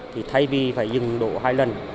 thì thay vì phải dừng độ hai lần